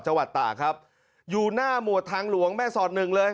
จังหวัดตากครับอยู่หน้าหมวดทางหลวงแม่สอดหนึ่งเลย